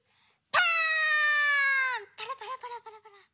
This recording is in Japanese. パラパラパラパラパラ。